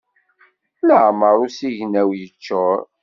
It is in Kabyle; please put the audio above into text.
Iɛemmer usigna-w, yeččur.